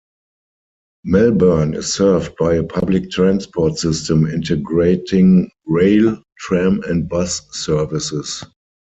Melbourne is served by a public transport system integrating rail, tram and bus services.